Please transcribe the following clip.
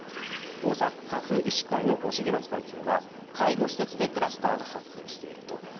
大阪府医師会の茂松会長は介護施設でクラスターが発生していると。